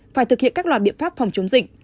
phải thực hiện các loạt biện pháp phòng chống dịch